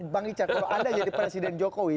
bang richard kalau anda jadi presiden jokowi